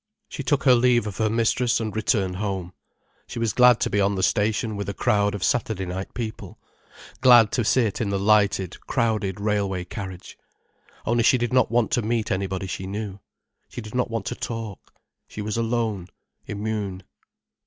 She took her leave of her mistress and returned home. She was glad to be on the station with a crowd of Saturday night people, glad to sit in the lighted, crowded railway carriage. Only she did not want to meet anybody she knew. She did not want to talk. She was alone, immune.